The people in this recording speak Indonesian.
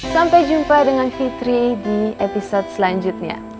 sampai jumpa dengan fitri di episode selanjutnya